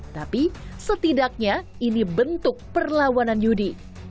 tapi setidaknya ini bentuk perlawanan yudi